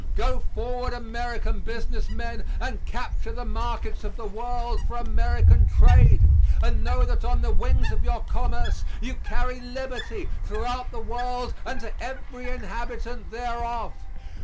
Go forward, American business men, and capture the markets of the world for American trade; and know that on the wings of your commerce you carry liberty throughout the world and to every inhabitant thereof.